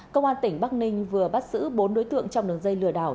công an tỉnh bắc ninh vừa bắt giữ bốn đối tượng trong đường dây lừa đảo